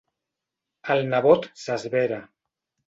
El nebot s'esvera.